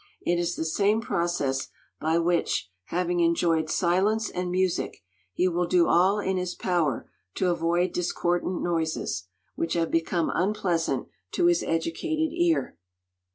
It is the same process by which, having enjoyed silence and music, he will do all in his power to avoid discordant noises, which have become unpleasant to his educated ear.